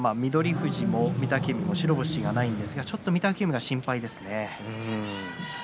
富士も御嶽海も白星がないんですがちょっと御嶽海が心配ですね。